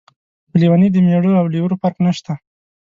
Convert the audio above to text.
په لیونۍ د مېړه او لېوره فرق نشته.